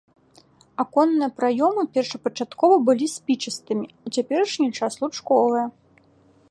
Аконныя праёмы першапачаткова былі спічастымі, у цяперашні час лучковыя.